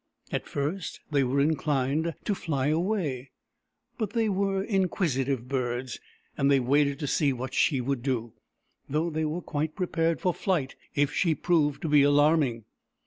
At first they were inclined to fly away, but they were 70 THE EMU WHO WOULD DANCE inquisitive birds, and they waited to see what she would do, though they were quite prepared for flight if she proved to be alarming.